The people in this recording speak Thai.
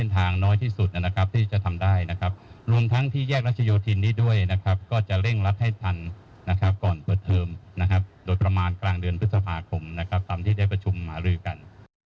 ตามที่ได้ประชุมมาด้วยกัน